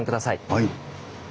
はい。